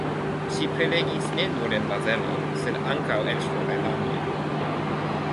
Ŝi prelegis ne nur en Bazelo, sed ankaŭ eĉ foraj landoj.